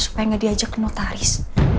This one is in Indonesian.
supaya nggak diajak ke notaris